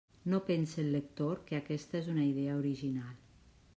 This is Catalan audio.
No pense el lector que aquesta és una idea original.